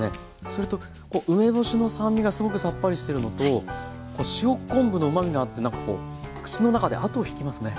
それと梅干しの酸味がすごくさっぱりしてるのと塩昆布のうまみがあって口の中で後を引きますね。